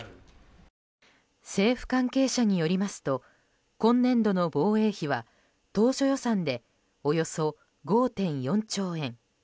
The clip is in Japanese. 政府関係者によりますと今年度の防衛費は当初予算で、およそ５．４兆円。